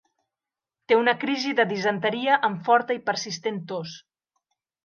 Té una crisi de disenteria amb forta i persistent tos.